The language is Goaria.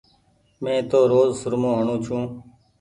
مي تو روز سرمو هڻو ڇون ۔